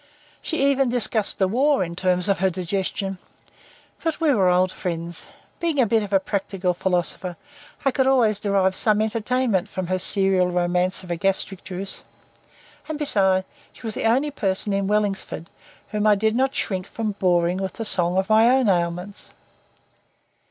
She even discussed the war in terms of her digestion. But we were old friends. Being a bit of a practical philosopher I could always derive some entertainment from her serial romance of a Gastric Juice, and besides, she was the only person in Wellingsford whom I did not shrink from boring with the song of my own ailments.